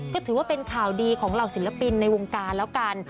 ก็ถือว่าเป็นข่าวดีของเหล่าศิลปินในวงการแล้วกัน